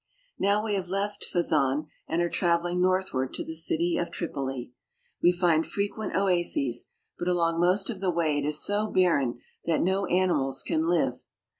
Now we have left Fezzan, and are trav eling northward to the city of Tripoli. We find frequent oases ; but along most of the I way it is so barren [that no animals can Blfve.